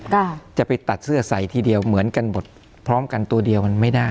ค่ะจะไปตัดเสื้อใส่ทีเดียวเหมือนกันหมดพร้อมกันตัวเดียวมันไม่ได้